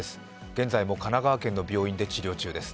現在も神奈川県の病院で治療中です。